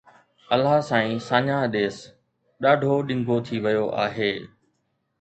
الله سائين ساڃاهہ ڏيس ڏاڍو ڊنگو ٿي ويو آهي